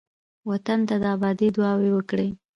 وطن ته د آبادۍ دعاوې وکړئ.